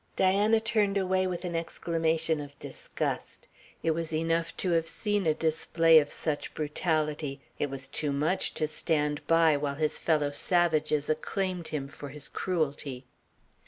Diana turned away with an exclamation of disgust. It was enough to have seen a display of such brutality; it was too much to stand by while his fellow savages acclaimed him for his cruelty.